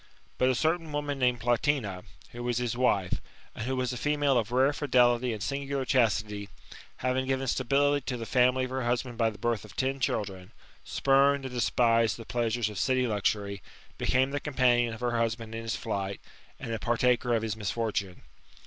But a certain woman named Plotina, who was his wife, and who was a female of rare fidelity and singular chastity, having given stability to the family of her husband by the birth of ten children, spurned and despised the pleasures of city luxury, became the companion of her husband in his flight, and a partaker of his misfortune.